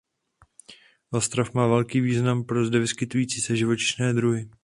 Ostrov má velký význam pro zde vyskytující se živočišné druhy.